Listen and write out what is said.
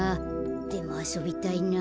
でもあそびたいな。